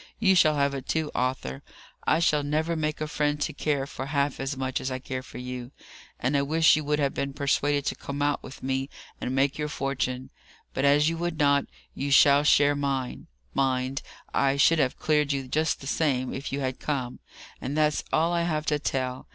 You shall have it too, Arthur! I shall never make a friend to care for half as much as I care for you, and I wish you would have been persuaded to come out with me and make your fortune; but as you would not, you shall share mine. Mind! I should have cleared you just the same, if you had come." "And that's all I have to tell.